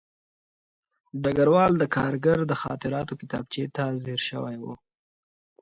ډګروال د کارګر د خاطراتو کتابچې ته ځیر شوی و